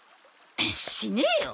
しねえよ。